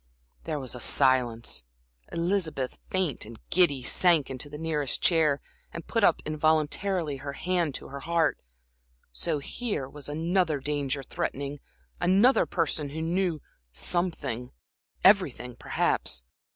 There was a silence. Elizabeth, faint and giddy, sank into the nearest chair, and put up involuntarily her hand to her heart. So here was another danger threatening, another person who knew something everything, perhaps?